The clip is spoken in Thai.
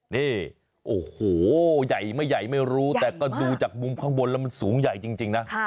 นี่โอ้โหใหญ่ไม่ใหญ่ไม่รู้แต่ก็ดูจากมุมข้างบนแล้วมันสูงใหญ่จริงนะ